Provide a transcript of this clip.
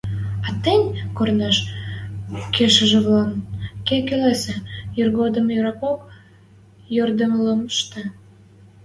А тӹнь корныш кешӹвлӓлӓн ке келесӹ: иргодым ирокок йӓмдӹлӹштӹ.